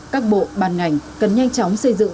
các bộ bàn ngành cần nhanh chóng xây dựng